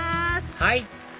はい！